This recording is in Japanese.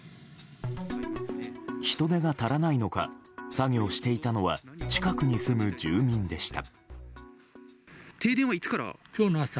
人手が足らないのか作業していたのは近くに住む住人でした。